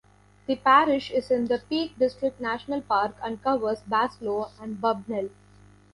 The parish is in the Peak District National Park and covers Baslow and Bubnell.